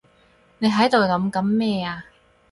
你喺度諗緊咩啊？